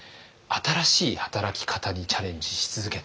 新しい働き方にチャレンジし続けていきます。